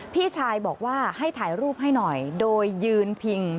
พี่ชายบอกว่าให้ถ่ายรูปให้หน่อยโดยยืนพิง